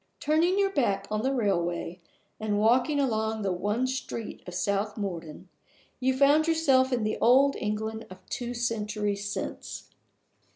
Turning your back on the railway, and walking along the one street of South Morden, you found yourself in the old England of two centuries since.